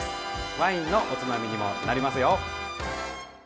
ワインのおつまみにもなりますよ。